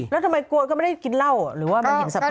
แล้วทำไมกลัวก็ไม่ได้กินเหล้าหรือว่ามันเห็นสภาพ